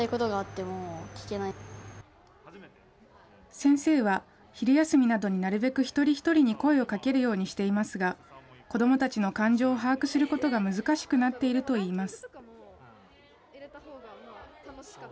先生は、昼休みなどになるべく一人一人に声をかけるようにしていますが、子どもたちの感情を把握することが難しくなっているといいます。